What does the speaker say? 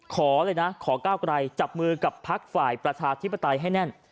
ขอเลยนะขอก้าวไกลจับมือกับพักฝ่ายประชาธิปไตยให้แน่น